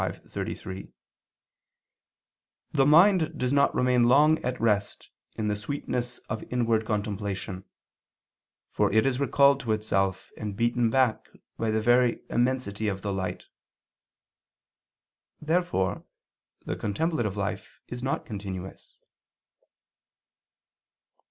v, 33): "The mind does not remain long at rest in the sweetness of inward contemplation, for it is recalled to itself and beaten back by the very immensity of the light." Therefore the contemplative life is not continuous.